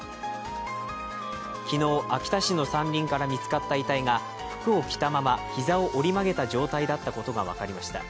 昨日、秋田市の山林から見つかった遺体が服を着たまま、膝を折り曲げた状態だったことが分かりました。